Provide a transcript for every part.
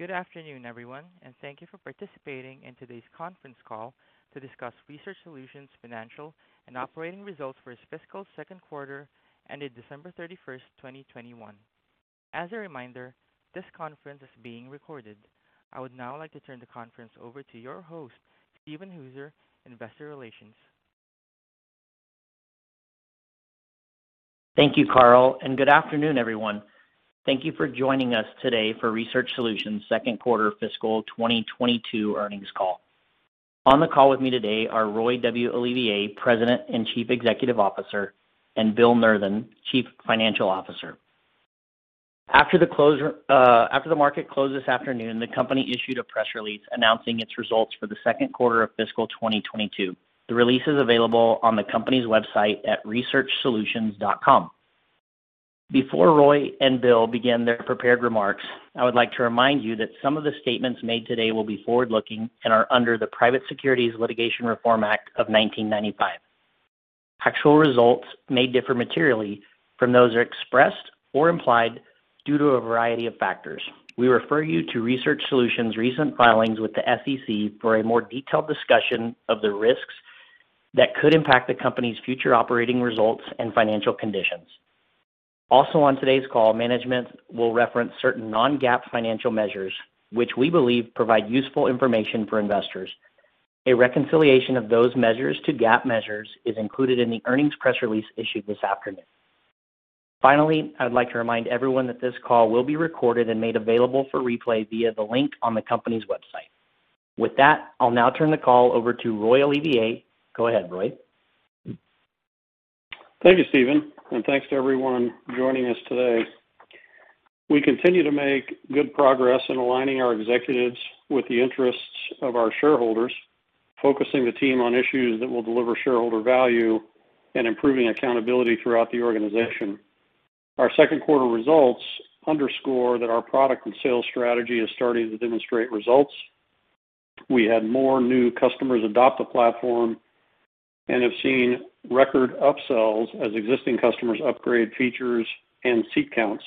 Good afternoon, everyone, and thank you for participating in today's conference call to discuss Research Solutions' financial and operating results for its fiscal second quarter ended December 31st, 2021. As a reminder, this conference is being recorded. I would now like to turn the conference over to your host, Steven Hooser, Investor Relations. Thank you, Carl, and good afternoon, everyone. Thank you for joining us today for Research Solutions' second quarter fiscal 2022 earnings call. On the call with me today are Roy W. Olivier, President and Chief Executive Officer, and Bill Nurthen, Chief Financial Officer. After the market closed this afternoon, the company issued a press release announcing its results for the second quarter of fiscal 2022. The release is available on the company's website at researchsolutions.com. Before Roy and Bill begin their prepared remarks, I would like to remind you that some of the statements made today will be forward-looking and are under the Private Securities Litigation Reform Act of 1995. Actual results may differ materially from those expressed or implied due to a variety of factors. We refer you to Research Solutions' recent filings with the SEC for a more detailed discussion of the risks that could impact the company's future operating results and financial conditions. Also on today's call, management will reference certain non-GAAP financial measures, which we believe provide useful information for investors. A reconciliation of those measures to GAAP measures is included in the earnings press release issued this afternoon. Finally, I'd like to remind everyone that this call will be recorded and made available for replay via the link on the company's website. With that, I'll now turn the call over to Roy Olivier. Go ahead, Roy. Thank you, Steven, and thanks to everyone joining us today. We continue to make good progress in aligning our executives with the interests of our shareholders, focusing the team on issues that will deliver shareholder value and improving accountability throughout the organization. Our second quarter results underscore that our product and sales strategy is starting to demonstrate results. We had more new customers adopt the platform and have seen record upsells as existing customers upgrade features and seat counts.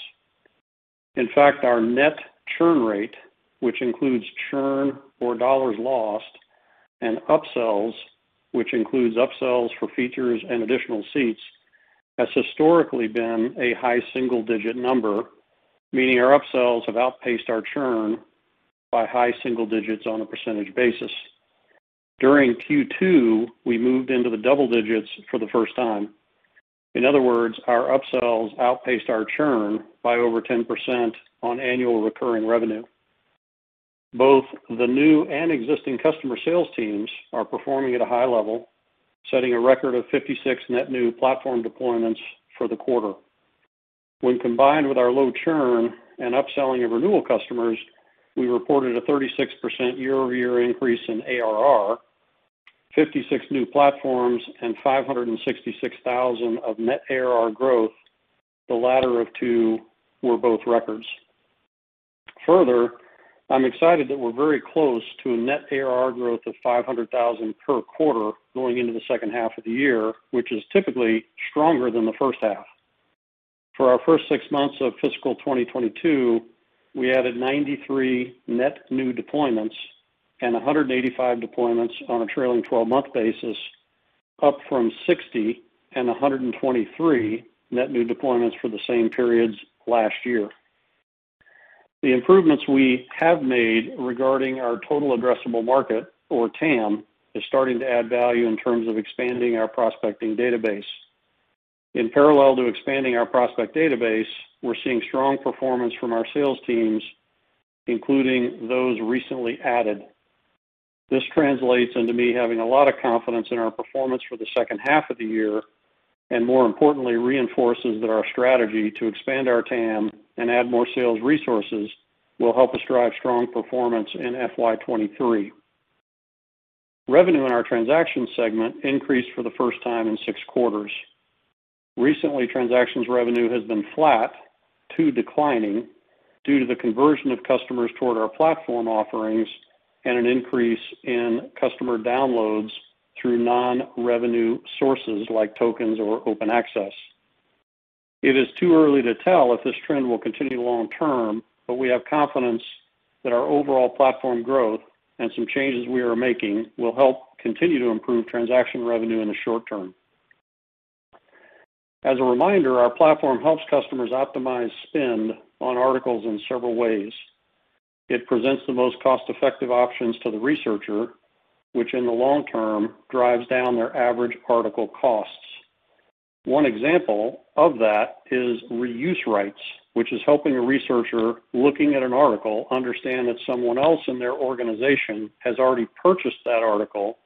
In fact, our net churn rate, which includes churn or dollars lost, and upsells, which includes upsells for features and additional seats, has historically been a high single-digit number, meaning our upsells have outpaced our churn by high single digits on a percentage basis. During Q2, we moved into the double digits for the first time. In other words, our upsells outpaced our churn by over 10% on annual recurring revenue. Both the new and existing customer sales teams are performing at a high level, setting a record of 56 net new platform deployments for the quarter. When combined with our low churn and upselling of renewal customers, we reported a 36% year-over-year increase in ARR, 56 new platforms, and $566,000 of net ARR growth, the latter two were both records. Further, I'm excited that we're very close to a net ARR growth of $500,000 per quarter going into the second half of the year, which is typically stronger than the first half. For our first six months of fiscal 2022, we added 93 net new deployments and 185 deployments on a trailing 12-month basis, up from 60 and 123 net new deployments for the same periods last year. The improvements we have made regarding our total addressable market or TAM, is starting to add value in terms of expanding our prospecting database. In parallel to expanding our prospect database, we're seeing strong performance from our sales teams, including those recently added. This translates into me having a lot of confidence in our performance for the second half of the year, and more importantly, reinforces that our strategy to expand our TAM and add more sales resources will help us drive strong performance in FY 2023. Revenue in our transaction segment increased for the first time in six quarters. Recently, transactions revenue has been flat to declining due to the conversion of customers toward our platform offerings and an increase in customer downloads through non-revenue sources like tokens or open access. It is too early to tell if this trend will continue long term, but we have confidence that our overall platform growth and some changes we are making will help continue to improve transaction revenue in the short term. As a reminder, our platform helps customers optimize spend on articles in several ways. It presents the most cost-effective options to the researcher, which in the long term drives down their average article costs. One example of that is reuse rights, which is helping a researcher looking at an article understand that someone else in their organization has already purchased that article,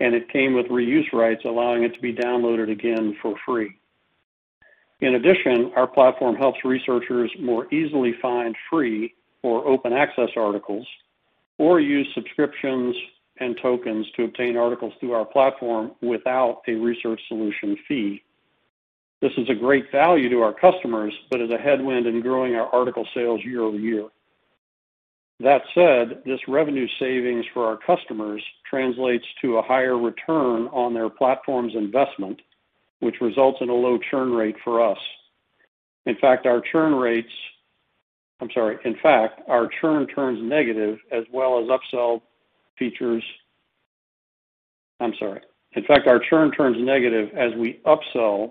and it came with reuse rights, allowing it to be downloaded again for free. In addition, our platform helps researchers more easily find free or open access articles, or use subscriptions and tokens to obtain articles through our platform without a Research Solutions fee. This is a great value to our customers, but is a headwind in growing our article sales year-over-year. That said, this revenue savings for our customers translates to a higher return on their platform's investment, which results in a low churn rate for us. In fact, our churn turns negative as we upsell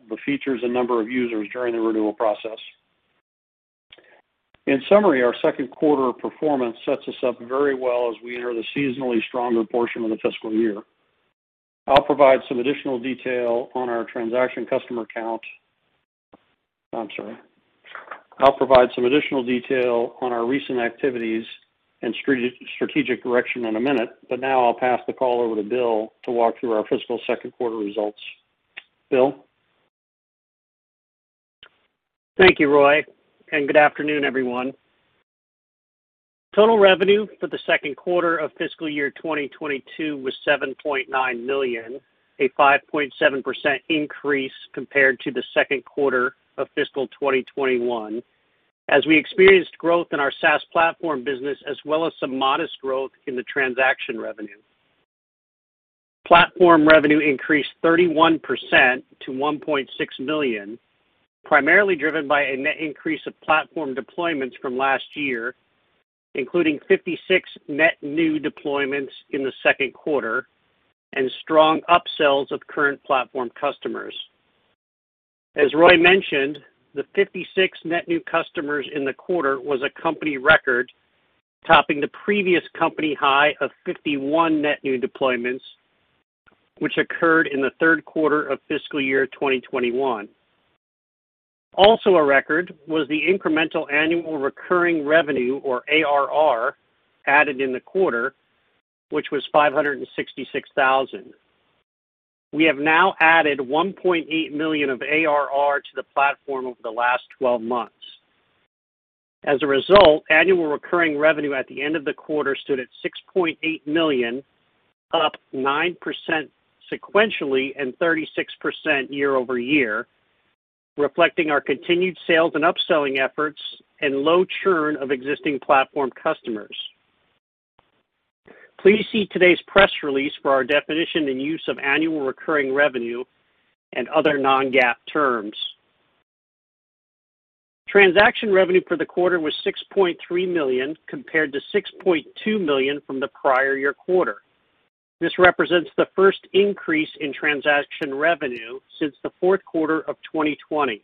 the features and number of users during the renewal process. In summary, our second quarter performance sets us up very well as we enter the seasonally stronger portion of the fiscal year. I'll provide some additional detail on our transaction customer count. I'll provide some additional detail on our recent activities and strategic direction in a minute, but now I'll pass the call over to Bill to walk through our fiscal second quarter results. Bill? Thank you, Roy, and good afternoon, everyone. Total revenue for the second quarter of fiscal year 2022 was $7.9 million, a 5.7% increase compared to the second quarter of fiscal year 2021, as we experienced growth in our SaaS platform business as well as some modest growth in the transaction revenue. Platform revenue increased 31% to $1.6 million, primarily driven by a net increase of platform deployments from last year, including 56 net new deployments in the second quarter and strong upsells of current platform customers. As Roy mentioned, the 56 net new customers in the quarter was a company record, topping the previous company high of 51 net new deployments, which occurred in the third quarter of fiscal year 2021. Also a record was the incremental annual recurring revenue or ARR added in the quarter, which was $566,000. We have now added $1.8 million of ARR to the platform over the last 12 months. As a result, annual recurring revenue at the end of the quarter stood at $6.8 million, up 9% sequentially and 36% year-over-year, reflecting our continued sales and upselling efforts and low churn of existing platform customers. Please see today's press release for our definition and use of annual recurring revenue and other non-GAAP terms. Transaction revenue for the quarter was $6.3 million compared to $6.2 million from the prior-year quarter. This represents the first increase in transaction revenue since the fourth quarter of 2020.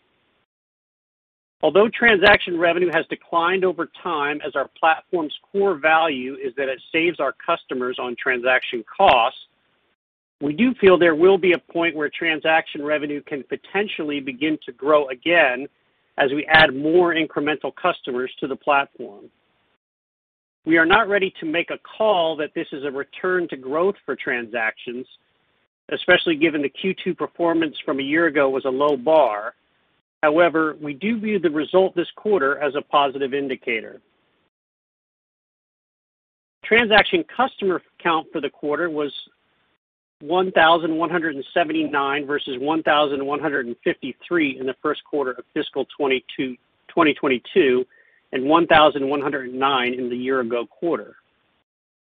Although transaction revenue has declined over time as our platform's core value is that it saves our customers on transaction costs, we do feel there will be a point where transaction revenue can potentially begin to grow again as we add more incremental customers to the platform. We are not ready to make a call that this is a return to growth for transactions, especially given the Q2 performance from a year ago was a low bar. However, we do view the result this quarter as a positive indicator. Transaction customer count for the quarter was 1,179 versus 1,153 in the first quarter of fiscal 2022 and 1,109 in the year-ago quarter.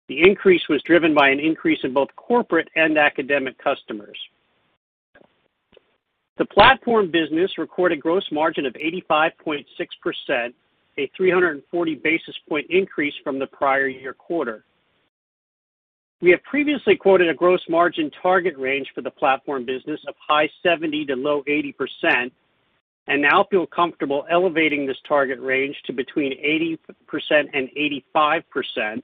The increase was driven by an increase in both corporate and academic customers. The platform business recorded gross margin of 85.6%, a 340 basis point increase from the prior-year quarter. We have previously quoted a gross margin target range for the platform business of high 70% to low 80% and now feel comfortable elevating this target range to between 80% and 85%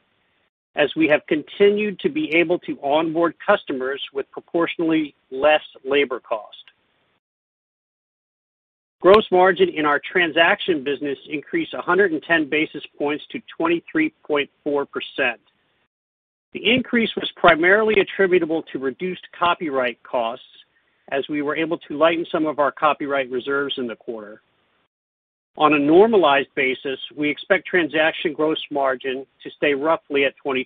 as we have continued to be able to onboard customers with proportionally less labor cost. Gross margin in our transaction business increased 110 basis points to 23.4%. The increase was primarily attributable to reduced copyright costs, as we were able to lighten some of our copyright reserves in the quarter. On a normalized basis, we expect transaction gross margin to stay roughly at 22%.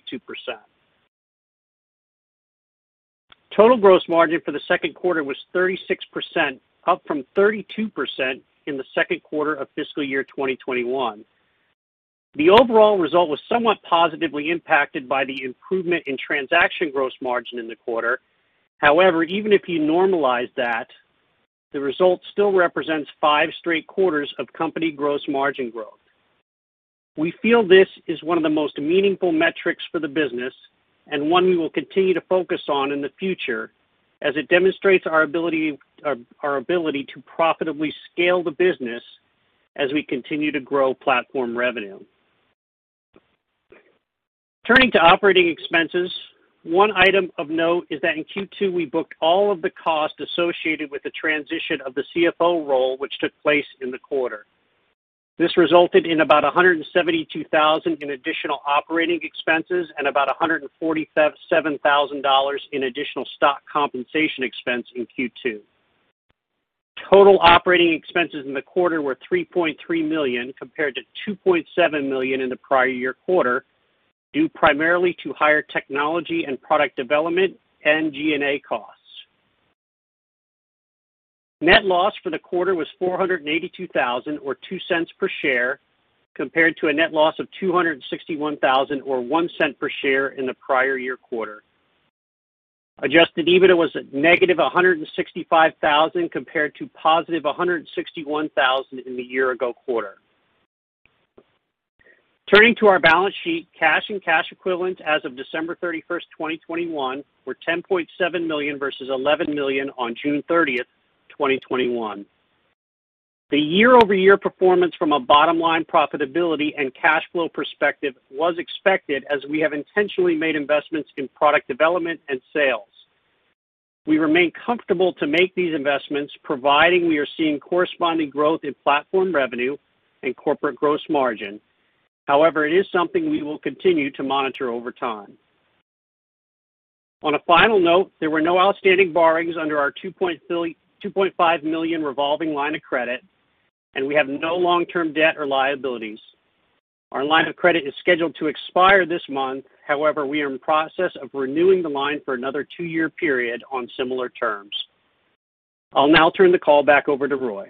Total gross margin for the second quarter was 36%, up from 32% in the second quarter of fiscal year 2021. The overall result was somewhat positively impacted by the improvement in transaction gross margin in the quarter. However, even if you normalize that, the result still represents 5 straight quarters of company gross margin growth. We feel this is one of the most meaningful metrics for the business and one we will continue to focus on in the future as it demonstrates our ability to profitably scale the business as we continue to grow platform revenue. Turning to operating expenses, one item of note is that in Q2, we booked all of the cost associated with the transition of the CFO role, which took place in the quarter. This resulted in about $172,000 in additional operating expenses and about $147,000 in additional stock compensation expense in Q2. Total operating expenses in the quarter were $3.3 million, compared to $2.7 million in the prior-year quarter, due primarily to higher technology and product development and G&A costs. Net loss for the quarter was $482,000 or $0.02 per share, compared to a net loss of $261,000 or $0.01 per share in the prior-year quarter. Adjusted EBITDA was negative $165,000 compared to positive $161,000 in the year-ago quarter. Turning to our balance sheet, cash and cash equivalents as of December 31st, 2021 were $10.7 million versus $11 million on June 30th, 2021. The year-over-year performance from a bottom-line profitability and cash flow perspective was expected as we have intentionally made investments in product development and sales. We remain comfortable to make these investments, providing we are seeing corresponding growth in platform revenue and corporate gross margin. However, it is something we will continue to monitor over time. On a final note, there were no outstanding borrowings under our $2.5 million revolving line of credit, and we have no long-term debt or liabilities. Our line of credit is scheduled to expire this month. However, we are in process of renewing the line for another two-year period on similar terms. I'll now turn the call back over to Roy.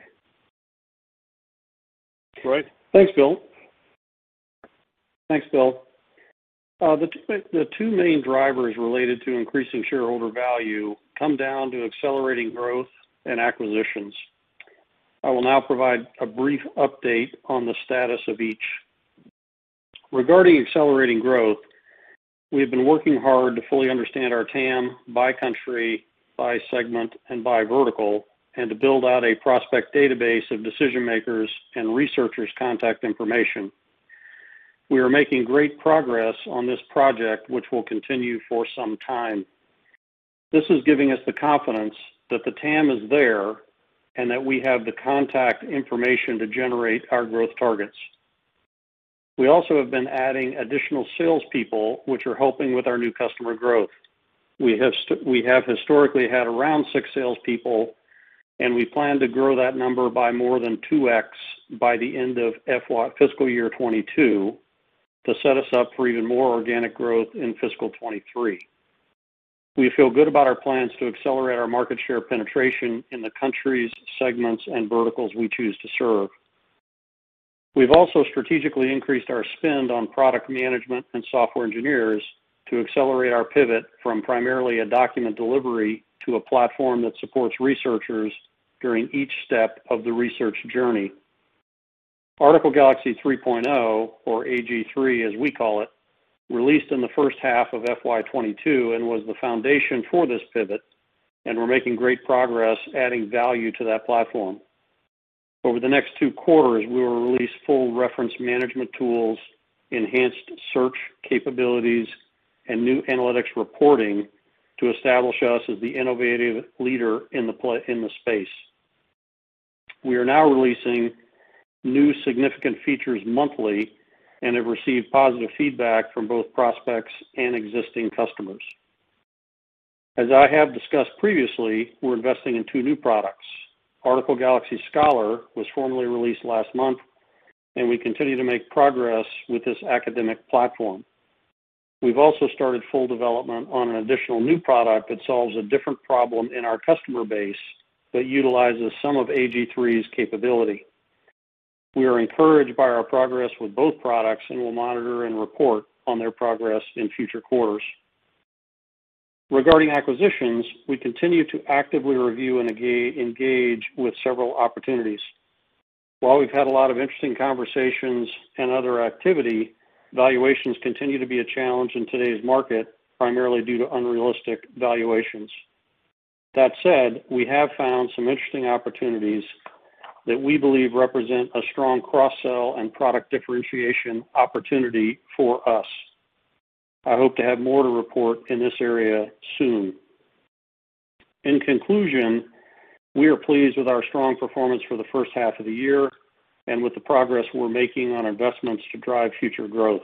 Thanks, Bill. The two main drivers related to increasing shareholder value come down to accelerating growth and acquisitions. I will now provide a brief update on the status of each. Regarding accelerating growth, we have been working hard to fully understand our TAM by country, by segment, and by vertical, and to build out a prospect database of decision-makers and researchers' contact information. We are making great progress on this project, which will continue for some time. This is giving us the confidence that the TAM is there and that we have the contact information to generate our growth targets. We also have been adding additional salespeople, which are helping with our new customer growth. We have historically had around six salespeople, and we plan to grow that number by more than 2x by the end of FY 2022 to set us up for even more organic growth in fiscal 2023. We feel good about our plans to accelerate our market share penetration in the countries, segments, and verticals we choose to serve. We've also strategically increased our spend on product management and software engineers to accelerate our pivot from primarily a document delivery to a platform that supports researchers during each step of the research journey. Article Galaxy 3.0, or AG3, as we call it, released in the first half of FY 2022 and was the foundation for this pivot, and we're making great progress adding value to that platform. Over the next two quarters, we will release full reference management tools, enhanced search capabilities, and new analytics reporting to establish us as the innovative leader in the space. We are now releasing new significant features monthly and have received positive feedback from both prospects and existing customers. As I have discussed previously, we're investing in two new products. Article Galaxy Scholar was formally released last month, and we continue to make progress with this academic platform. We've also started full development on an additional new product that solves a different problem in our customer base but utilizes some of AG3's capability. We are encouraged by our progress with both products and will monitor and report on their progress in future quarters. Regarding acquisitions, we continue to actively review and engage with several opportunities. While we've had a lot of interesting conversations and other activity, valuations continue to be a challenge in today's market, primarily due to unrealistic valuations. That said, we have found some interesting opportunities that we believe represent a strong cross-sell and product differentiation opportunity for us. I hope to have more to report in this area soon. In conclusion, we are pleased with our strong performance for the first half of the year and with the progress we're making on investments to drive future growth.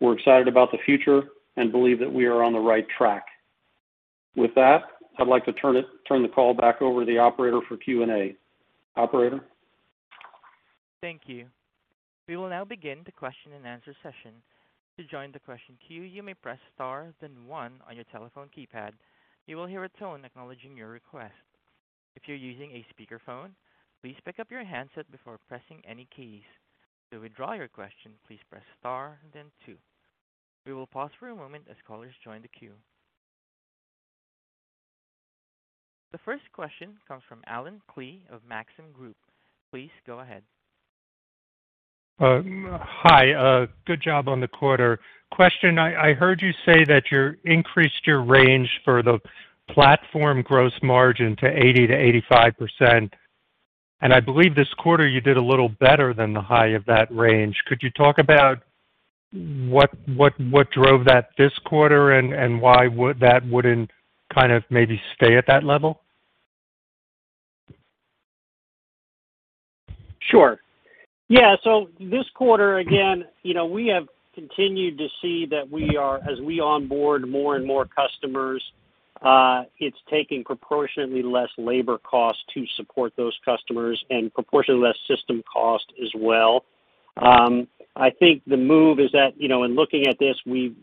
We're excited about the future and believe that we are on the right track. With that, I'd like to turn the call back over to the operator for Q&A. Operator? Thank you. We will now begin the question-and-answer session. To join the question queue, you may press star then one on your telephone keypad. You will hear a tone acknowledging your request. If you're using a speakerphone, please pick up your handset before pressing any keys. To withdraw your question, please press star then two. We will pause for a moment as callers join the queue. The first question comes from Allen Klee of Maxim Group. Please go ahead. Hi. Good job on the quarter. Question, I heard you say that you increased your range for the platform gross margin to 80%-85%, and I believe this quarter you did a little better than the high of that range. Could you talk about what drove that this quarter and why would that wouldn't kind of maybe stay at that level? Sure. Yeah. This quarter, again, you know, we have continued to see that we are as we onboard more and more customers, it's taking proportionately less labor costs to support those customers and proportionately less system cost as well. I think the move is that, you know, in looking at this, we've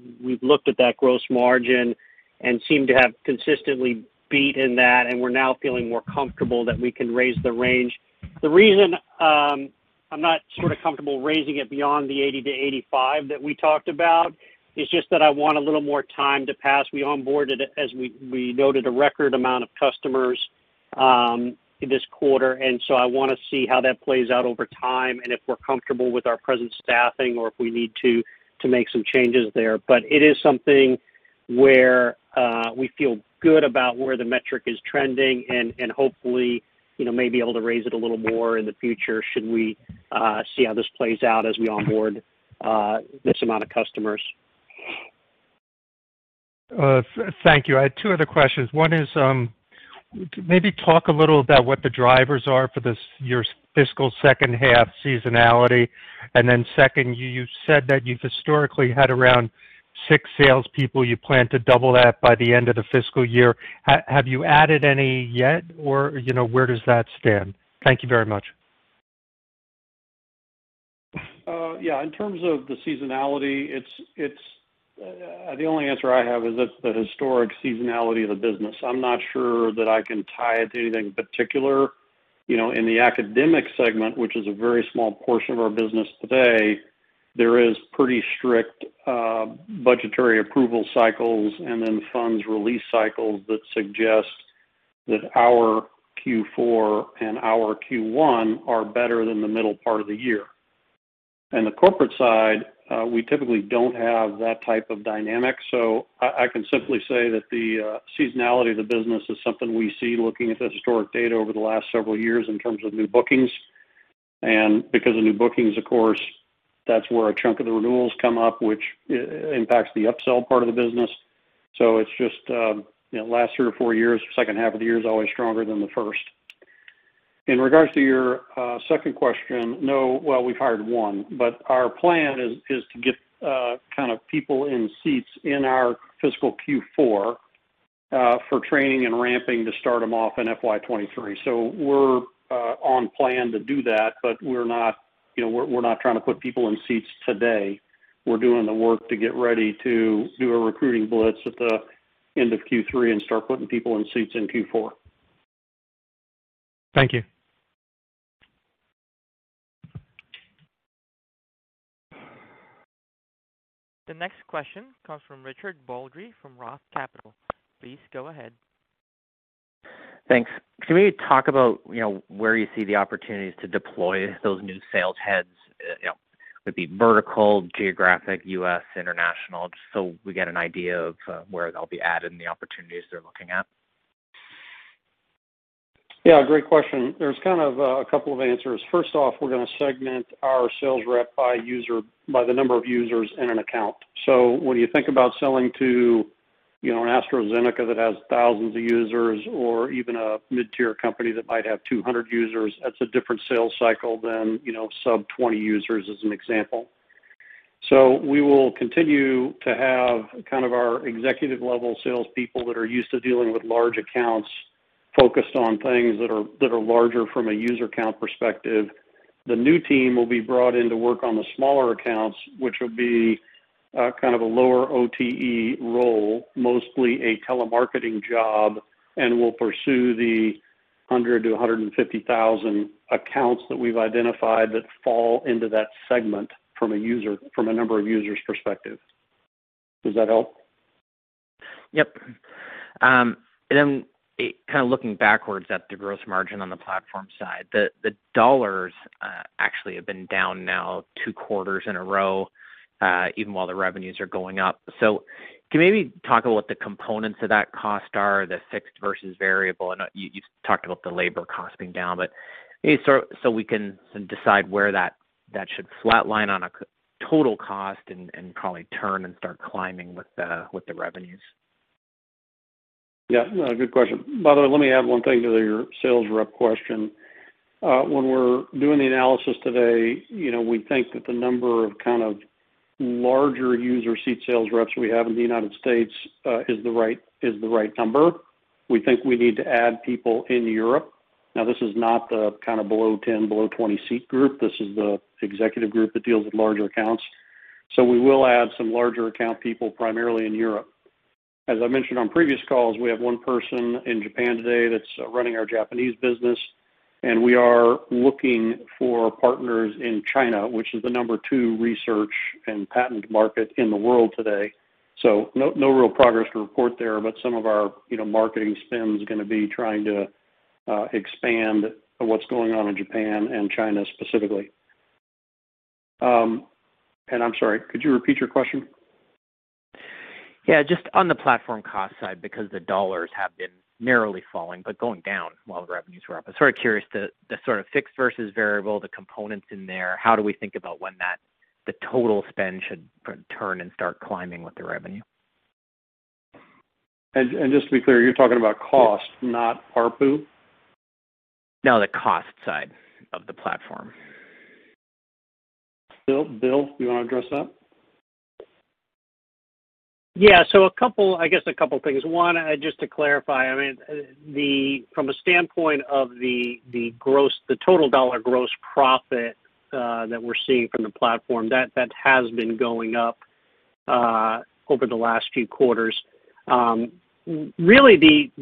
looked at that gross margin and seem to have consistently beat in that, and we're now feeling more comfortable that we can raise the range. The reason, I'm not sort of comfortable raising it beyond the 80%-85% that we talked about is just that I want a little more time to pass. We onboarded, as we noted, a record amount of customers this quarter. I wanna see how that plays out over time and if we're comfortable with our present staffing or if we need to make some changes there. It is something where we feel good about where the metric is trending, and hopefully, you know, may be able to raise it a little more in the future should we see how this plays out as we onboard this amount of customers. Thank you. I had two other questions. One is, maybe talk a little about what the drivers are for this, your fiscal second half seasonality, and then second, you said that you've historically had around six salespeople. You plan to double that by the end of the fiscal year. Have you added any yet or, you know, where does that stand? Thank you very much. In terms of the seasonality, it's the only answer I have is it's the historic seasonality of the business. I'm not sure that I can tie it to anything particular. You know, in the academic segment, which is a very small portion of our business today, there is pretty strict budgetary approval cycles and then funds release cycles that suggest that our Q4 and our Q1 are better than the middle part of the year. In the corporate side, we typically don't have that type of dynamic. I can simply say that the seasonality of the business is something we see looking at the historic data over the last several years in terms of new bookings. Because of new bookings, of course, that's where a chunk of the renewals come up, which impacts the upsell part of the business. It's just, you know, last three or four years, second half of the year is always stronger than the first. In regards to your second question, no. Well, we've hired one, but our plan is to get kind of people in seats in our fiscal Q4 for training and ramping to start them off in FY 2023. We're on plan to do that, but we're not, you know, we're not trying to put people in seats today. We're doing the work to get ready to do a recruiting blitz at the end of Q3 and start putting people in seats in Q4. Thank you. The next question comes from Richard Baldry from Roth Capital. Please go ahead. Thanks. Can we talk about, you know, where you see the opportunities to deploy those new sales heads, you know, would it be vertical, geographic, U.S., international, just so we get an idea of, where they'll be added and the opportunities they're looking at? Yeah, great question. There's kind of a couple of answers. First off, we're gonna segment our sales rep by the number of users in an account. So when you think about selling to, you know, an AstraZeneca that has thousands of users or even a mid-tier company that might have 200 users, that's a different sales cycle than, you know, sub-20 users as an example. So we will continue to have kind of our executive-level salespeople that are used to dealing with large accounts focused on things that are larger from a user count perspective. The new team will be brought in to work on the smaller accounts, which will be kind of a lower OTE role, mostly a telemarketing job, and will pursue the 100,000-150,000 accounts that we've identified that fall into that segment from a number of users perspective. Does that help? Yep. Kind of looking backwards at the gross margin on the platform side, the dollars actually have been down now two quarters in a row, even while the revenues are going up. Can you maybe talk about what the components of that cost are, the fixed versus variable? I know you talked about the labor cost being down, but we can decide where that should flat line on a total cost and probably turn and start climbing with the revenues. Yeah, no, good question. By the way, let me add one thing to your sales rep question. When we're doing the analysis today, you know, we think that the number of kind of larger user seat sales reps we have in the United States is the right number. We think we need to add people in Europe. Now, this is not the kind of below 10, below 20 seat group. This is the executive group that deals with larger accounts. We will add some larger account people, primarily in Europe. As I mentioned on previous calls, we have one person in Japan today that's running our Japanese business, and we are looking for partners in China, which is the number two research and patent market in the world today. No, no real progress to report there, but some of our, you know, marketing spend is gonna be trying to expand what's going on in Japan and China specifically. I'm sorry, could you repeat your question? Yeah, just on the platform cost side, because the dollars have been actually falling, but going down while the revenues were up. I'm sort of curious to the sort of fixed versus variable, the components in there. How do we think about when that, the total spend should turn and start climbing with the revenue? Just to be clear, you're talking about cost, not ARPU? No, the cost side of the platform. Bill, do you wanna address that? Yeah. A couple things. One, just to clarify, I mean, from a standpoint of the total dollar gross profit that we're seeing from the platform, that has been going up over the last few quarters. Really,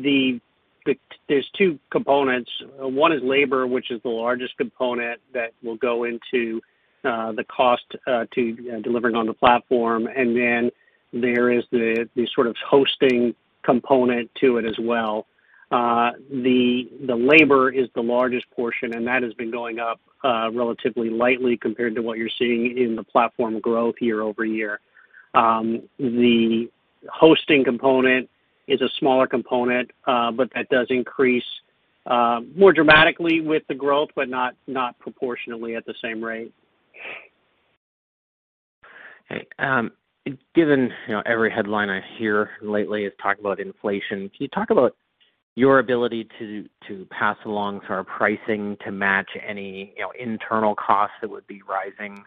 there's two components. One is labor, which is the largest component that will go into the cost to delivering on the platform. There is the sort of hosting component to it as well. The labor is the largest portion, and that has been going up relatively lightly compared to what you're seeing in the platform growth year-over-year. The hosting component is a smaller component, but that does increase more dramatically with the growth, but not proportionately at the same rate. Okay. Given, you know, every headline I hear lately is talking about inflation, can you talk about your ability to pass along sort of pricing to match any, you know, internal costs that would be rising?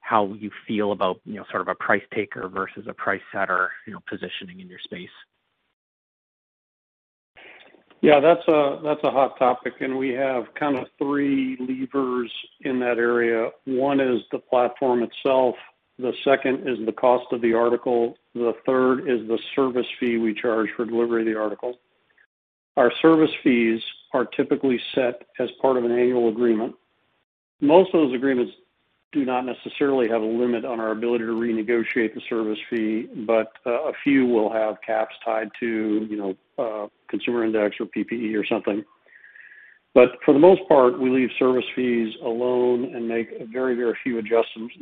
How you feel about, you know, sort of a price taker versus a price setter, you know, positioning in your space? Yeah. That's a hot topic, and we have kind of three levers in that area. One is the platform itself. The second is the cost of the article. The third is the service fee we charge for delivery of the article. Our service fees are typically set as part of an annual agreement. Most of those agreements do not necessarily have a limit on our ability to renegotiate the service fee, but a few will have caps tied to, you know, consumer price index or PPI or something, but for the most part, we leave service fees alone and make very few adjustments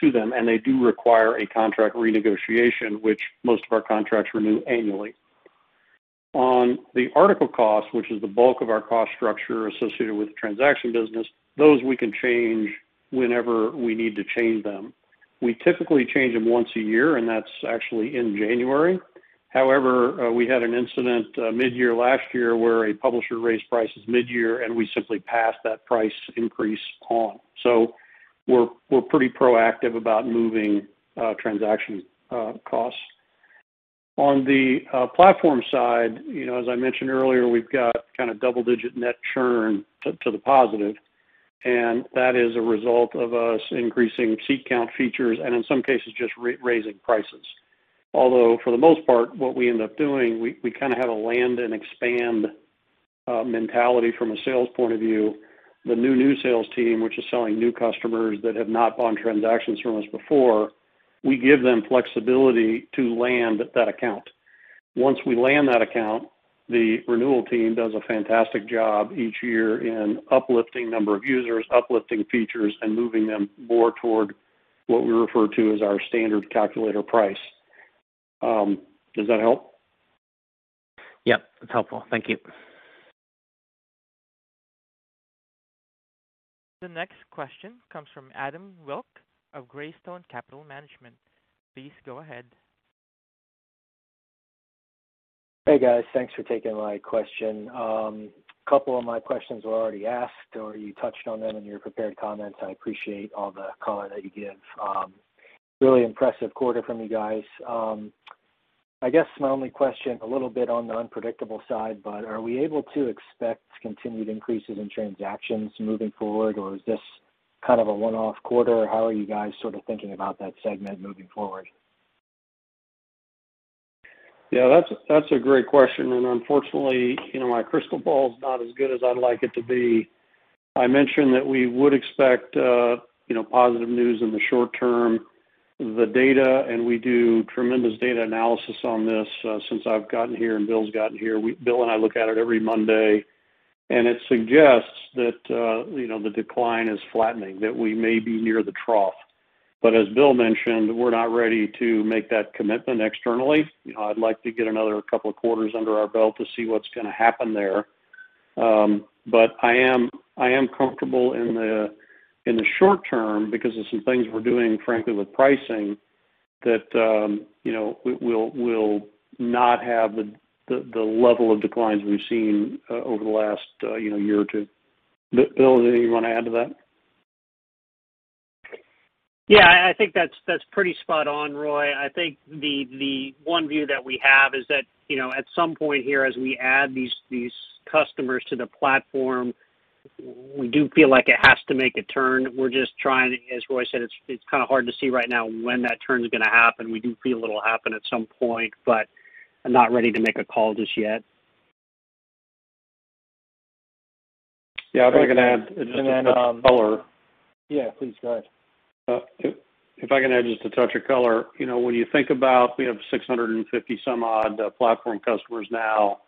to them, and they do require a contract renegotiation, which most of our contracts renew annually. On the article cost, which is the bulk of our cost structure associated with the transaction business, those we can change whenever we need to change them. We typically change them once a year, and that's actually in January. However, we had an incident mid-year last year where a publisher raised prices mid-year, and we simply passed that price increase on. So we're pretty proactive about moving transaction costs. On the platform side, you know, as I mentioned earlier, we've got kind of double-digit net churn to the positive, and that is a result of us increasing seat count features and in some cases just raising prices. Although for the most part, what we end up doing, we kind of have a land and expand mentality from a sales point of view. The new sales team, which is selling new customers that have not bought transactions from us before, we give them flexibility to land that account. Once we land that account, the renewal team does a fantastic job each year in uplifting number of users, uplifting features, and moving them more toward what we refer to as our standard calculator price. Does that help? Yep, that's helpful. Thank you. The next question comes from Adam Wilk of Greystone Capital Management. Please go ahead. Hey, guys. Thanks for taking my question. A couple of my questions were already asked, or you touched on them in your prepared comments. I appreciate all the color that you give. Really impressive quarter from you guys. I guess my only question, a little bit on the unpredictable side, but are we able to expect continued increases in transactions moving forward, or is this kind of a one-off quarter? How are you guys sort of thinking about that segment moving forward? That's a great question. Unfortunately, you know, my crystal ball is not as good as I'd like it to be. I mentioned that we would expect, you know, positive news in the short term. The data, and we do tremendous data analysis on this, since I've gotten here and Bill's gotten here. Bill and I look at it every Monday, and it suggests that, you know, the decline is flattening, that we may be near the trough. As Bill mentioned, we're not ready to make that commitment externally. You know, I'd like to get another couple of quarters under our belt to see what's gonna happen there. I am comfortable in the short term because of some things we're doing, frankly, with pricing that, you know, we'll not have the level of declines we've seen over the last, you know, year or two. Bill, anything you wanna add to that? Yeah. I think that's pretty spot on, Roy. I think the one view that we have is that, you know, at some point here, as we add these customers to the platform, we do feel like it has to make a turn. As Roy said, it's kind of hard to see right now when that turn is gonna happen. We do feel it'll happen at some point, but I'm not ready to make a call just yet. Yeah. If I can add just a touch of color. Yeah, please go ahead. If I can add just a touch of color. You know, when you think about, we have 650-some odd platform customers now.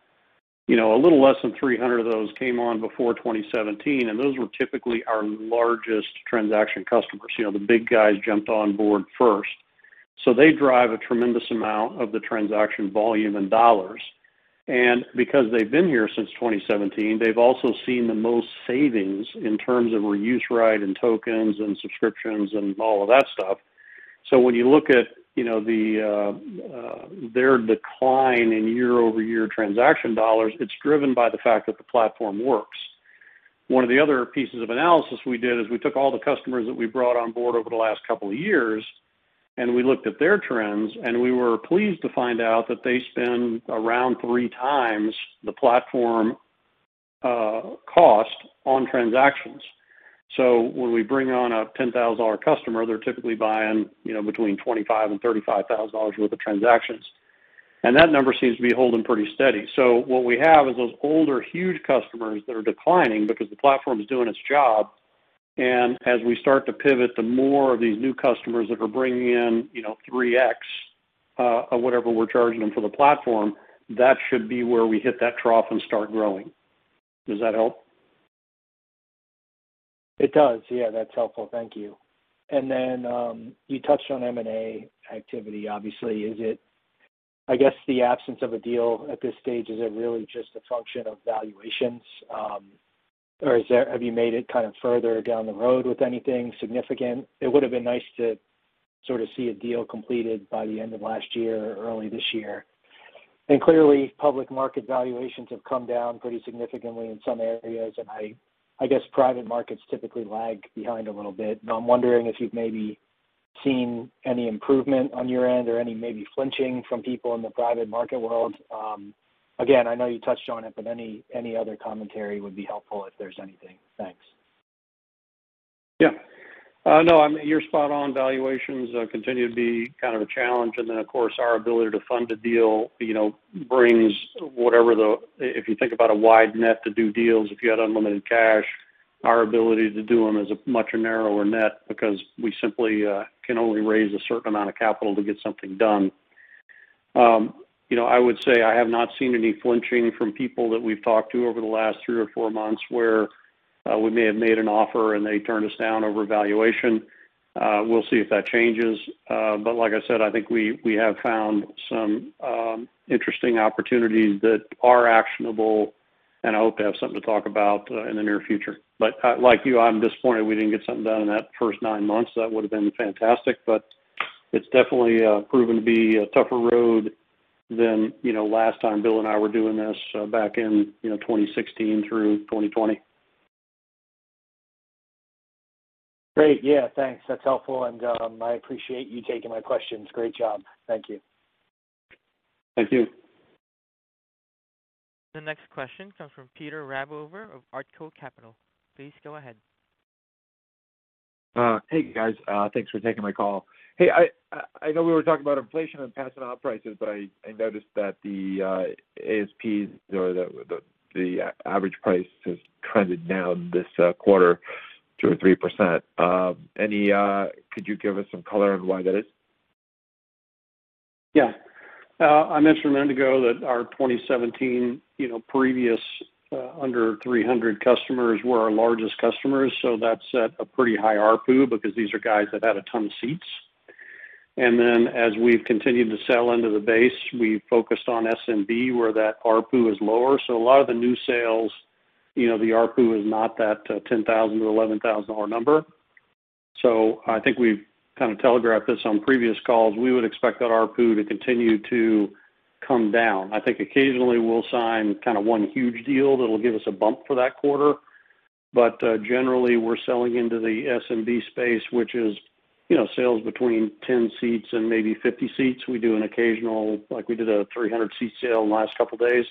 You know, a little less than 300 of those came on before 2017, and those were typically our largest transaction customers. You know, the big guys jumped on board first. They drive a tremendous amount of the transaction volume in dollars. Because they've been here since 2017, they've also seen the most savings in terms of reuse rights and tokens and subscriptions and all of that stuff. When you look at, you know, their decline in year-over-year transaction dollars, it's driven by the fact that the platform works. One of the other pieces of analysis we did is we took all the customers that we brought on board over the last couple of years, and we looked at their trends, and we were pleased to find out that they spend around three times the platform cost on transactions. When we bring on a $10,000 customer, they're typically buying, you know, between $25,000-$35,000 worth of transactions, and that number seems to be holding pretty steady. What we have is those older, huge customers that are declining because the platform is doing its job. as we start to pivot, the more of these new customers that are bringing in, you know, 3x of whatever we're charging them for the platform, that should be where we hit that trough and start growing. Does that help? It does. Yeah, that's helpful. Thank you, and then, you touched on M&A activity, obviously. Is it, I guess, the absence of a deal at this stage, is it really just a function of valuations? Or is there, have you made it kind of further down the road with anything significant? It would have been nice to sort of see a deal completed by the end of last year or early this year, and clearly, public market valuations have come down pretty significantly in some areas, and I guess private markets typically lag behind a little bit, but I'm wondering if you've maybe seen any improvement on your end or any maybe flinching from people in the private market world. Again, I know you touched on it, but any other commentary would be helpful if there's anything. Thanks. Yeah. No, I mean, you're spot on. Valuations continue to be kind of a challenge. Then, of course, our ability to fund a deal, you know. If you think about a wide net to do deals, if you had unlimited cash, our ability to do them is a much narrower net because we simply can only raise a certain amount of capital to get something done. I would say I have not seen any flinching from people that we've talked to over the last three or four months where we may have made an offer, and they turned us down over valuation. We'll see if that changes. Like I said, I think we have found some interesting opportunities that are actionable, and I hope to have something to talk about in the near future. Like you, I'm disappointed we didn't get something done in that first nine months. That would have been fantastic, but it's definitely proven to be a tougher road than, you know, last time Bill and I were doing this, back in, you know, 2016 through 2020. Great. Yeah. Thanks. That's helpful. I appreciate you taking my questions. Great job. Thank you. Thank you. The next question comes from Peter Rabover of Artko Capital. Please go ahead. Hey, guys, thanks for taking my call. Hey, I know we were talking about inflation and passing on prices, but I noticed that the ASP or the average price has trended down this quarter 2% or 3%. Could you give us some color on why that is? Yeah. I mentioned a minute ago that our 2017, you know, previous under 300 customers were our largest customers, so that set a pretty high ARPU because these are guys that had a ton of seats. Then as we've continued to sell into the base, we focused on SMB, where that ARPU is lower. A lot of the new sales, you know, the ARPU is not that $10,000-$11,000 number. I think we've kind of telegraphed this on previous calls. We would expect that ARPU to continue to come down. I think occasionally we'll sign kind of one huge deal that'll give us a bump for that quarter. Generally we're selling into the SMB space, which is, you know, sales between 10 seats and maybe 50 seats. We do an occasional... Like, we did a 300 seat sale in the last couple days.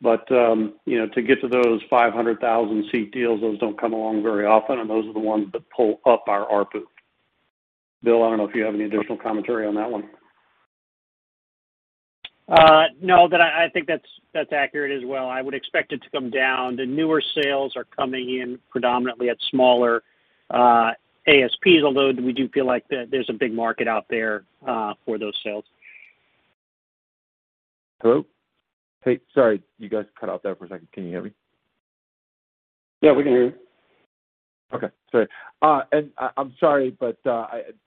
You know, to get to those 500,000 seat deals, those don't come along very often, and those are the ones that pull up our ARPU. Bill, I don't know if you have any additional commentary on that one. No. I think that's accurate as well. I would expect it to come down. The newer sales are coming in predominantly at smaller ASPs, although we do feel like there's a big market out there for those sales. Hello? Hey, sorry. You guys cut out there for a second. Can you hear me? Yeah, we can hear you. Okay, sorry. I'm sorry, but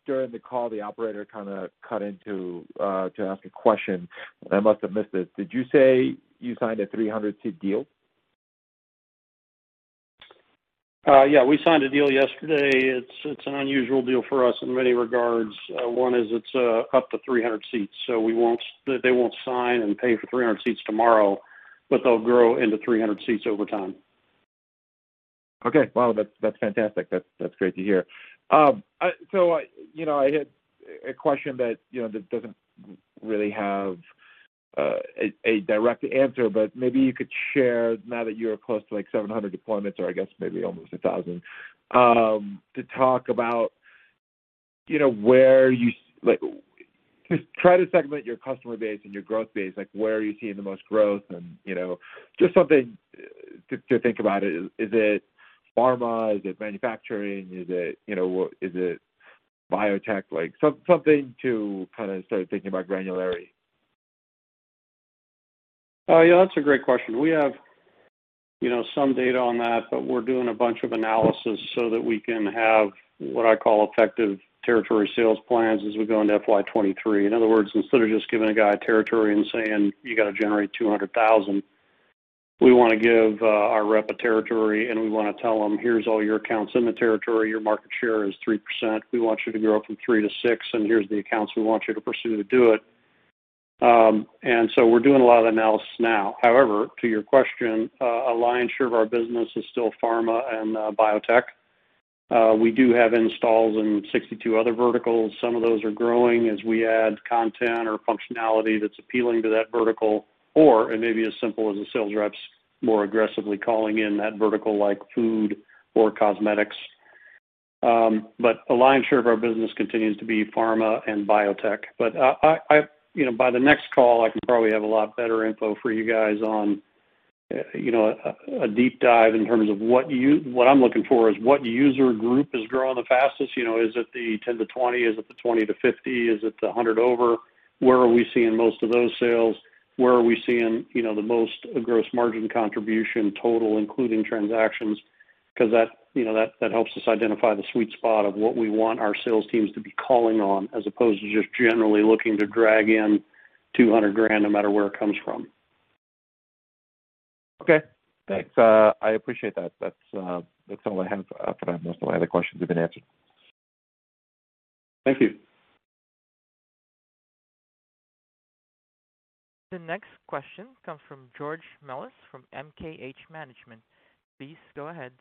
during the call, the operator kind of cut in to ask a question. I must have missed it. Did you say you signed a 300-seat deal? Yeah, we signed a deal yesterday. It's an unusual deal for us in many regards. One is it's up to 300 seats. They won't sign and pay for 300 seats tomorrow, but they'll grow into 300 seats over time. Okay. Wow, that's fantastic. That's great to hear. So, you know, I had a question that, you know, that doesn't really have a direct answer, but maybe you could share now that you're close to, like, 700 deployments or I guess maybe almost 1,000, to talk about, you know, where you. Like, just try to segment your customer base and your growth base. Like, where are you seeing the most growth and, you know, just something to think about. Is it pharma? Is it manufacturing? Is it, you know, is it biotech? Like, something to kind of start thinking about granularity. Yeah, that's a great question. We have, you know, some data on that, but we're doing a bunch of analysis so that we can have what I call effective territory sales plans as we go into FY 2023. In other words, instead of just giving a guy a territory and saying, "You got to generate $200,000," we want to give our rep a territory, and we want to tell them, "Here's all your accounts in the territory. Your market share is 3%. We want you to grow from 3%-6%, and here's the accounts we want you to pursue to do it." We're doing a lot of analysis now. However, to your question, a lion's share of our business is still pharma and biotech. We do have installs in 62 other verticals. Some of those are growing as we add content or functionality that's appealing to that vertical. It may be as simple as the sales reps more aggressively calling in that vertical like food or cosmetics. A lion's share of our business continues to be pharma and biotech. You know, by the next call, I can probably have a lot better info for you guys on a deep dive in terms of what I'm looking for is what user group is growing the fastest. You know, is it the 10-20? Is it the 20-50? Is it the 100 over? Where are we seeing most of those sales? Where are we seeing, you know, the most gross margin contribution total, including transactions? 'Cause that, you know, helps us identify the sweet spot of what we want our sales teams to be calling on as opposed to just generally looking to drag in $200 no matter where it comes from. Okay. Thanks. I appreciate that. That's all I have for now. Most of my other questions have been answered. Thank you. The next question comes from George Melas-Kyriazi from MKH Management. Please go ahead.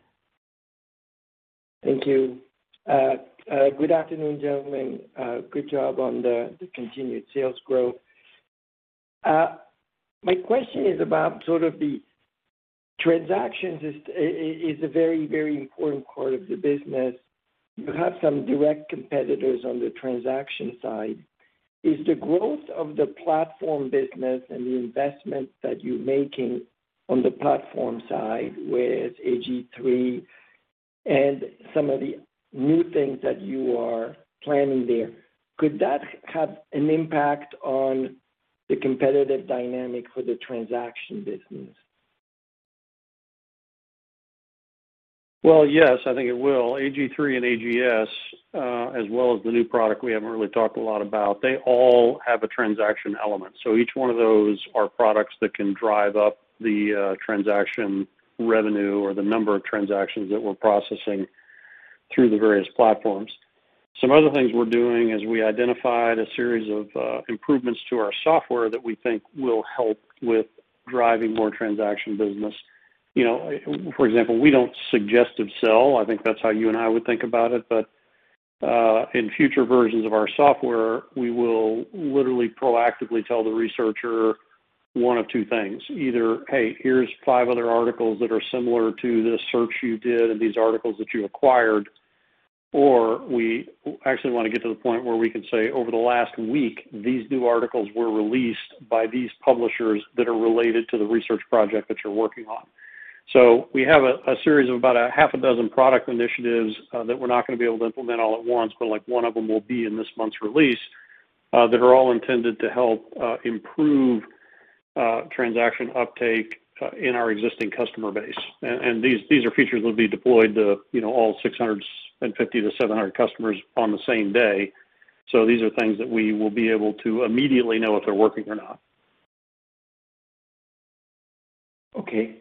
Thank you. Good afternoon, gentlemen. Good job on the continued sales growth. My question is about sort of the transactions is a very important part of the business. You have some direct competitors on the transaction side. Is the growth of the platform business and the investment that you're making on the platform side with AG3 and some of the new things that you are planning there, could that have an impact on the competitive dynamic for the transaction business? Well, yes, I think it will. AG3 and AGS, as well as the new product we haven't really talked a lot about, they all have a transaction element. Each one of those are products that can drive up the transaction revenue or the number of transactions that we're processing through the various platforms. Some other things we're doing is we identified a series of improvements to our software that we think will help with driving more transaction business. You know, for example, we don't suggestive sell. I think that's how you and I would think about it, but in future versions of our software, we will literally proactively tell the researcher one of two things. Either, "Hey, here's five other articles that are similar to this search you did and these articles that you acquired." Or we actually want to get to the point where we can say, "Over the last week, these new articles were released by these publishers that are related to the research project that you're working on." We have a series of about a half a dozen product initiatives that we're not gonna be able to implement all at once, but like one of them will be in this month's release that are all intended to help improve transaction uptake in our existing customer base. These are features that'll be deployed to, you know, all 650-700 customers on the same day. These are things that we will be able to immediately know if they're working or not. Okay,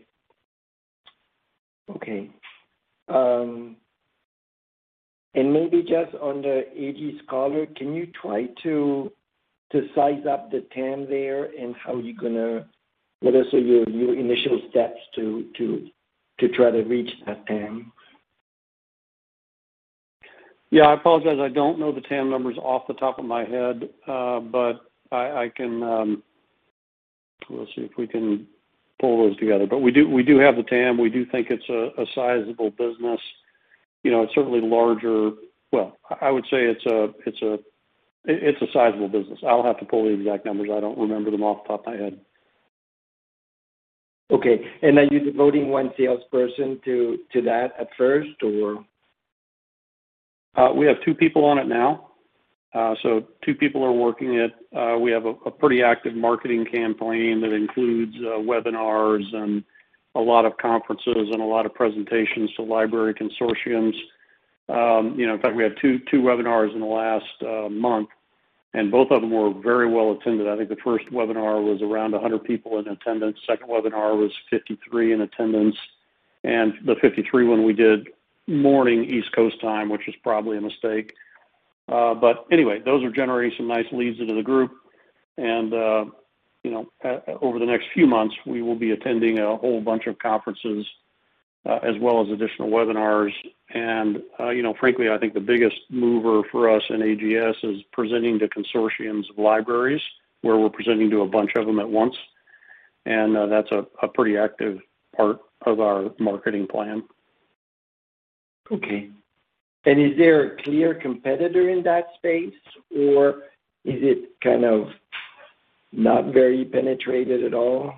maybe just on the AG Scholar, can you try to size up the TAM there? What are sort of your initial steps to try to reach that TAM? Yeah, I apologize. I don't know the TAM numbers off the top of my head, but I can. We'll see if we can pull those together. We do have the TAM. We do think it's a sizable business. You know, Well, I would say it's a sizable business. I'll have to pull the exact numbers. I don't remember them off the top of my head. Okay. Are you devoting one salesperson to that at first or? We have two people on it now. Two people are working it. We have a pretty active marketing campaign that includes webinars and a lot of conferences and a lot of presentations to library consortiums. You know, in fact, we had two webinars in the last month, and both of them were very well attended. I think the first webinar was around 100 people in attendance. Second webinar was 53 in attendance. The 53 one we did morning East Coast time, which was probably a mistake. Anyway, those are generating some nice leads into the group. You know, over the next few months, we will be attending a whole bunch of conferences, as well as additional webinars. You know, frankly, I think the biggest mover for us in AGS is presenting to consortiums of libraries where we're presenting to a bunch of them at once. That's a pretty active part of our marketing plan. Okay. Is there a clear competitor in that space, or is it kind of not very penetrated at all?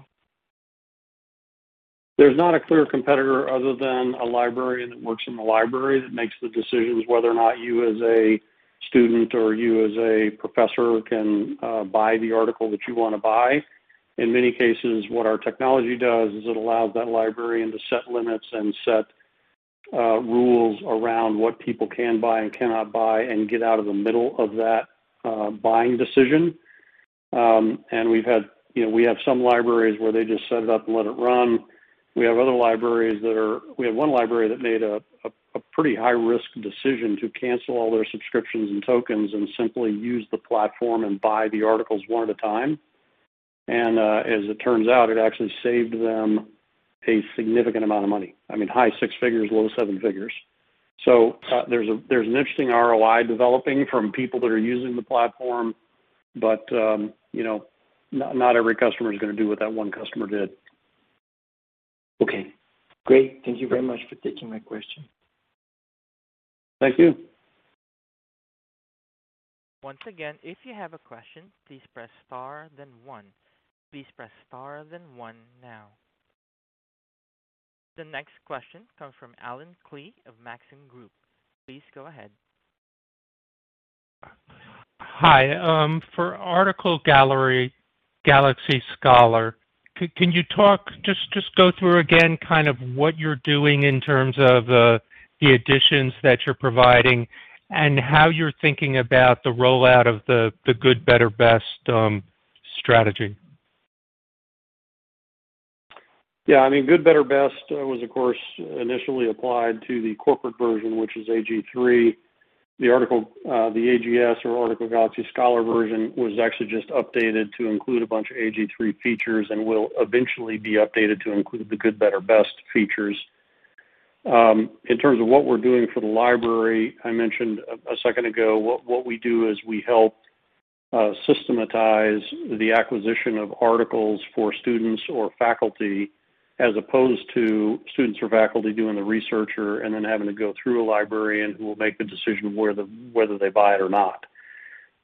There's not a clear competitor other than a librarian that works in the library that makes the decisions whether or not you as a student or you as a professor can buy the article that you want to buy. In many cases, what our technology does is it allows that librarian to set limits and set rules around what people can buy and cannot buy and get out of the middle of that buying decision. We've had, you know, we have some libraries where they just set it up and let it run. We have other libraries. We have one library that made a pretty high risk decision to cancel all their subscriptions and tokens and simply use the platform and buy the articles one at a time. As it turns out, it actually saved them a significant amount of money. I mean, high six figures, low seven figures. There's an interesting ROI developing from people that are using the platform. You know, not every customer is gonna do what that one customer did. Okay, great. Thank you very much for taking my question. Thank you. Once again, if you have a question, please press star then one. Please press star then one now. The next question comes from Allen Klee of Maxim Group. Please go ahead. Hi. For Article Galaxy Scholar, can you talk? Just go through again kind of what you're doing in terms of the additions that you're providing and how you're thinking about the rollout of the good better best strategy. Yeah, I mean, good better, best was of course initially applied to the corporate version, which is AG3. The AGS or Article Galaxy Scholar version was actually just updated to include a bunch of AG3 features and will eventually be updated to include the good better, best features. In terms of what we're doing for the library, I mentioned a second ago, what we do is we help systematize the acquisition of articles for students or faculty, as opposed to students or faculty doing the research and then having to go through a library and we'll make the decision whether they buy it or not.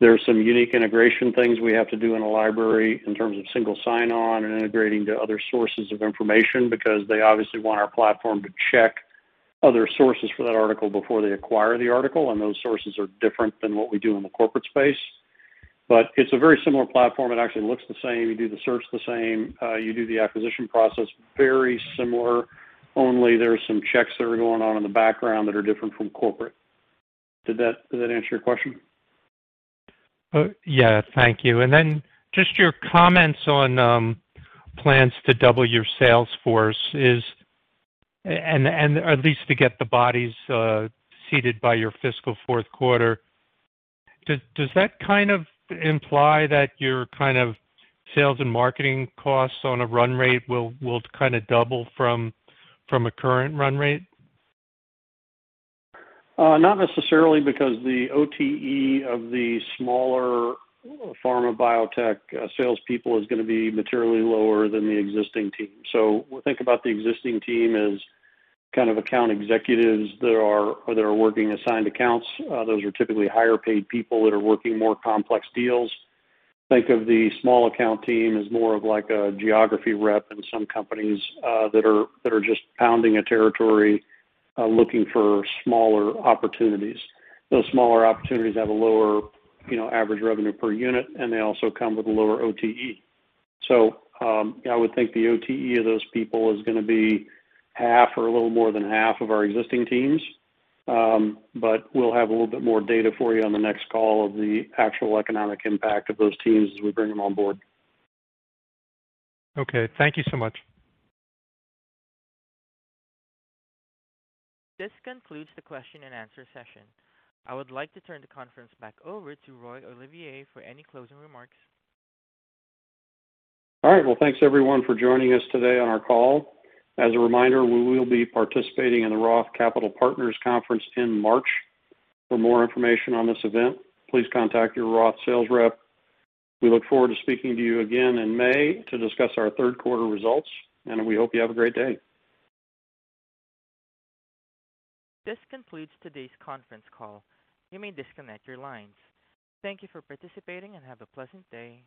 There are some unique integration things we have to do in a library in terms of single sign on and integrating to other sources of information because they obviously want our platform to check other sources for that article before they acquire the article, and those sources are different than what we do in the corporate space. It's a very similar platform. It actually looks the same. You do the search the same, you do the acquisition process very similar, only there are some checks that are going on in the background that are different from corporate. Did that answer your question? Yeah. Thank you. Just your comments on plans to double your sales force and at least to get the bodies seated by your fiscal fourth quarter. Does that kind of imply that your kind of sales and marketing costs on a run rate will kinda double from a current run rate? Not necessarily because the OTE of the smaller pharma biotech salespeople is gonna be materially lower than the existing team. Think about the existing team as kind of account executives that are or they are working assigned accounts. Those are typically higher paid people that are working more complex deals. Think of the small account team as more of like a geography rep in some companies that are just pounding a territory looking for smaller opportunities. Those smaller opportunities have a lower, you know, average revenue per unit, and they also come with a lower OTE. I would think the OTE of those people is gonna be half or a little more than half of our existing teams. We'll have a little bit more data for you on the next call of the actual economic impact of those teams as we bring them on board. Okay. Thank you so much. This concludes the question and answer session. I would like to turn the conference back over to Roy Olivier for any closing remarks. All right. Well, thanks everyone for joining us today on our call. As a reminder, we will be participating in the Roth Capital Partners conference in March. For more information on this event, please contact your Roth sales rep. We look forward to speaking to you again in May to discuss our third quarter results, and we hope you have a great day. This concludes today's conference call. You may disconnect your lines. Thank you for participating and have a pleasant day.